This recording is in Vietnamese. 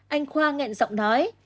anh khoa ngẹn giọng nói